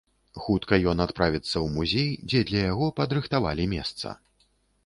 Хутка ён адправіцца ў музей, дзе для яго падрыхтавалі месца.